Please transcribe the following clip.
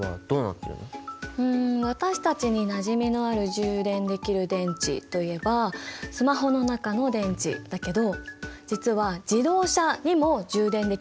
うん私たちになじみのある充電できる電池といえばスマホの中の電池だけど実は自動車にも充電できる電池が使われているんだ。